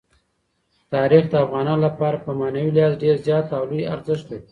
تاریخ د افغانانو لپاره په معنوي لحاظ ډېر زیات او لوی ارزښت لري.